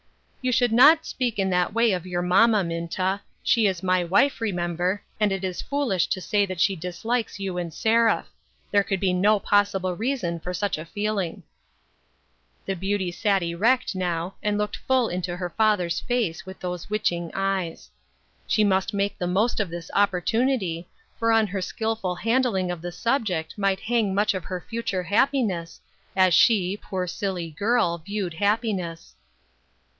" You should not speak in that way of your mamma, Minta ; she is my wife, remember, and it is foolish to say that she dislikes you and Seraph ; there could be no possible reason for such a feeling." The beauty sat erect now, and looked full into 56 " FOREWARNED " AND " FOREARMED." her father's face with those witching eyes. She must make the most of this opportunity, for on her skillful handling of the subject might hang much of her future happiness, as she, poor silly girl, viewed happiness.